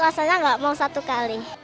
rasanya nggak mau satu kali